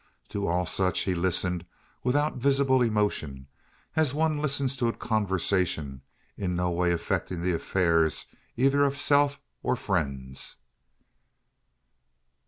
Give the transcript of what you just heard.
To all such he listened without visible emotion, as one listens to a conversation in no way affecting the affairs either of self or friends.